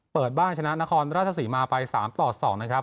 เปิดบ้านชนะนครราชศรีมาไป๓ต่อ๒นะครับ